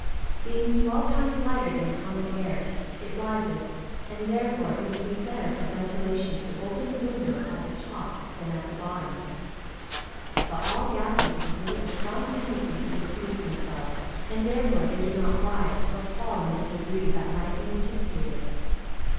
_ Being twelve times lighter than common air it rises, and therefore it would be better for ventilation to open the window at the top than at the bottom. But all gases exhibit a strong tendency to diffuse themselves, and therefore they do not rise or fall in the degree that might be anticipated.